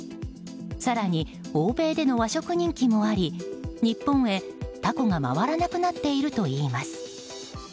更に欧米での和食人気もあり日本へタコが回らなくなっているといいます。